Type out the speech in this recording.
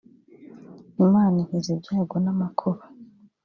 Imana inkiza ibyago n’amakuba